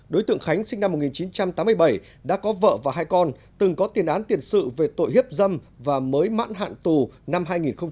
đối tượng khánh sinh năm một nghìn chín trăm tám mươi bảy đã có vợ và hai con từng có tiền án tiền sự về tội hiếp dâm và mới mãn hạn tù năm hai nghìn một mươi ba